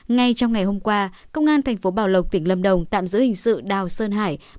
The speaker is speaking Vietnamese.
ngay trong ngày hôm qua công an thành phố bảo lộc tỉnh lâm đồng tạm giữ hình sự đào sơn hải